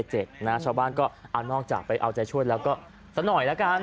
ชาวบ้านก็เอานอกจากไปเอาใจช่วยแล้วก็สักหน่อยละกัน